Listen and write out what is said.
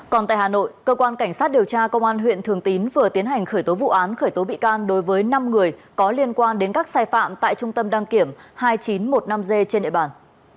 còn tại hà nội cơ quan cảnh sát điều tra công an huyện thường tín vừa tiến hành khởi tố vụ án khởi tố bị can đối với năm người có liên quan đến các sai phạm tại trung tâm đăng kiểm hai nghìn chín trăm một mươi năm g trên địa bàn